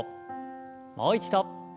もう一度。